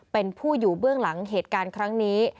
เป็นผู้อยู่เบื้องหลังเหตุการณ์ครั้งนี้